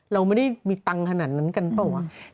เราไม่ได้มีตังค์ขนาดนั้นกันเปล่าวะ